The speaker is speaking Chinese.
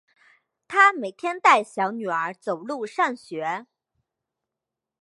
她每天带小女儿走路上学